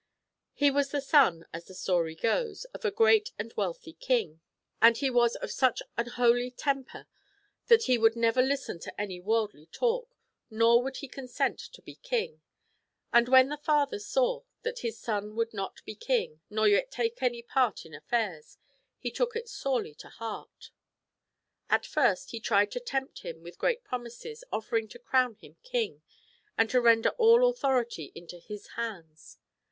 He was the son, as their story goes, of a great and wealthy king. And he was of such an holy temper that he would never listen to any worldly talk, nor would he con sent to be king. And when the father saw that his son would not be king, nor yet take any part in affairs, he took it sorely to heart. And first he tried to tempt him with great promises, offering to crown him king, and to sur render all authority into his hands.